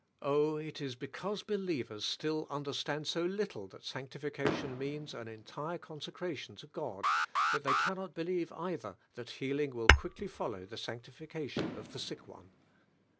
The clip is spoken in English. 0, it ia because believers still under stand so little that sani'tifiealion means an entire consecration to God that they cannot really believe that healing mil quickly follow the sa notification of the sick one.